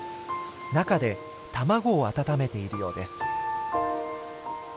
中で卵を温めているようです。